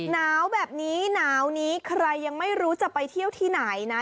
หนาวแบบนี้หนาวนี้ใครยังไม่รู้จะไปเที่ยวที่ไหนนะ